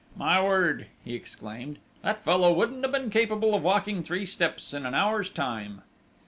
"My word!" he exclaimed. "That fellow wouldn't have been capable of walking three steps in an hour's time!"